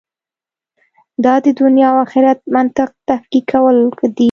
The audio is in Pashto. دا د دنیا او آخرت منطق تفکیکول دي.